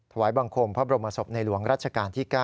ถวายบังคมพระบรมศพในหลวงรัชกาลที่๙